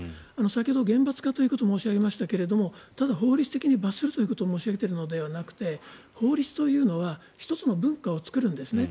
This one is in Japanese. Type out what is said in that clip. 先ほど厳罰化ということを申し上げましたがただ、法律的に罰するということを申し上げているのではなくて法律というのは１つの文化を作るんですね。